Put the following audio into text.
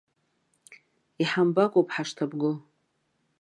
Иҳамбакәоуп ҳашҭабго.